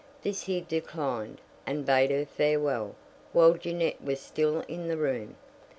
This he declined, and bade her farewell while Jeannette was still in the room.